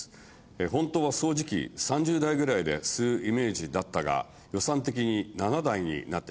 「本当は掃除機３０台ぐらいで吸うイメージだったが予算的に７台になってしまった」